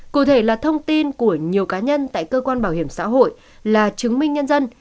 cụ thể là thông tin của nhiều cá nhân tại cơ quan bảo hiểm xã hội là chứng minh nhân dân